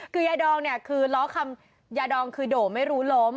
คือยายดองเนี่ยคือล้อคำยาดองคือโด่ไม่รู้ล้ม